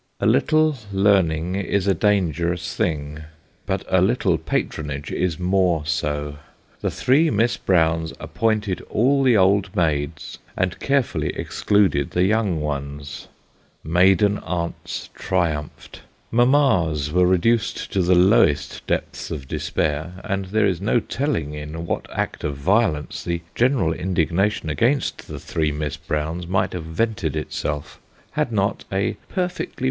A little learning is a dangerous thing, but a little patronage is more so ; the three Miss Browns appointed all the old maids, and carjefully excluded the young ones. Maiden aunts triumphed, mammas were reduced to the lowest depths of despair, and there is no telling in what act of violence the general indignation against the three Miss Browns might have vented itself, had not a perfectly The three Miss Browns.